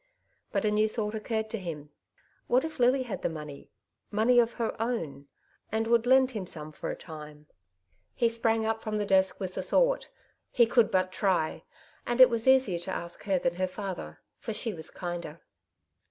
But a new thought occurred to him. What if Lily had the noLoney — money of her own — and would lend him some for a time ? He sprang up from the desk with the thought. He conld but try ; and it was easier to ask her than her &ther, for she was kinder.